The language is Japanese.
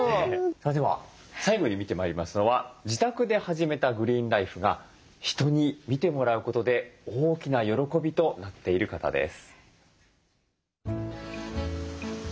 さあでは最後に見てまいりますのは自宅で始めたグリーンライフが人に見てもらうことで大きな喜びとなっている方です。